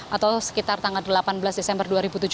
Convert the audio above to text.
atau sekitar tanggal delapan belas desember dua ribu tujuh belas